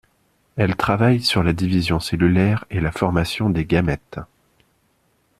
Elle travaille sur la division cellulaire et la formation des gamètes.